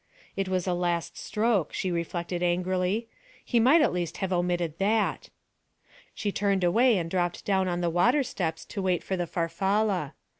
It was the last stroke, she reflected angrily; he might at least have omitted that! She turned away and dropped down on the water steps to wait for the Farfalla.